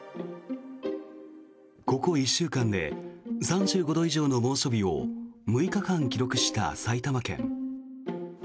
ここ１週間で３５度以上の猛暑日を６日間記録した埼玉県。